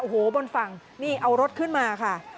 โอ้โหบนฝั่งนี่เอารถขึ้นมาค่ะ